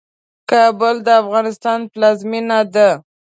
کابل د افغانستان پلازمينه ده.